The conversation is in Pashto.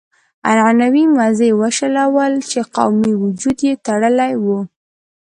عنعنوي مزي يې وشلول چې قومي وجود يې تړلی و.